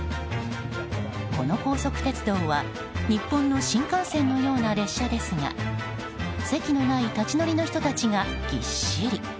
この高速鉄道は日本の新幹線のような列車ですが席のない立ち乗りの人たちがぎっしり。